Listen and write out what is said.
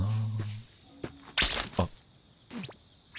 あっ。